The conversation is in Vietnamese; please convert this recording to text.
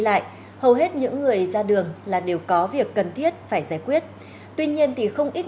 lại hầu hết những người ra đường là đều có việc cần thiết phải giải quyết tuy nhiên thì không ít